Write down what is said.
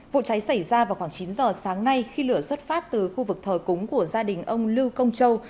vụ cháy xảy ra vào khoảng chín giờ sáng nay khi lửa xuất phát từ khu vực thờ cúng của gia đình ông lưu công châu